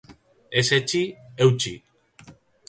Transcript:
Ez etsi, eutsi!